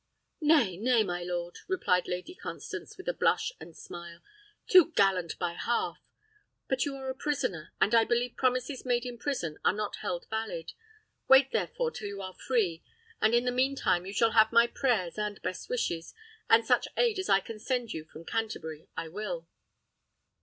"Nay, nay, my lord," replied Lady Constance, with a blush and smile, "too gallant by half! But you are a prisoner, and I believe promises made in prison are not held valid. Wait, therefore, till you are free, and in the mean time you shall have my prayers and best wishes, and such aid as I can send you from Canterbury I will."